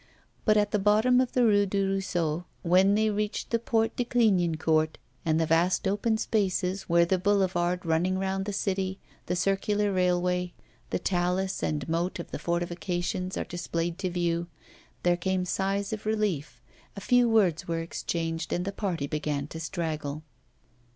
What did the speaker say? But at the bottom of the Rue du Ruisseau, when they reached the Porte de Clignancourt and the vast open spaces, where the boulevard running round the city, the circular railway, the talus and moat of the fortifications are displayed to view, there came sighs of relief, a few words were exchanged, and the party began to straggle.